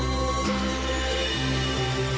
โอ้โหโอ้โหโอ้โห